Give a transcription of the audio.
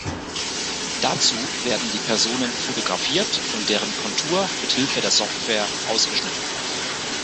Dazu werden die Personen fotografiert und deren Kontur mit Hilfe der Software ausgeschnitten.